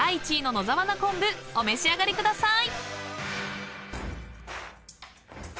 野沢菜昆布お召し上がりください］